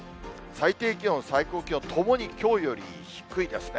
最低気温、最高気温ともにきょうより低いですね。